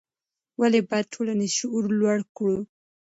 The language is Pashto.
ولې باید ټولنیز شعور لوړ کړو؟